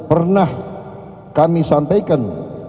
yang pernah kami sampaikan